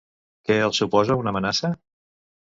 Què els suposa una amenaça?